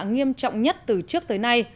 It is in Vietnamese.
nghiêm trọng nhất từ trước tới nay